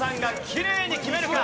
きれいに決めるか？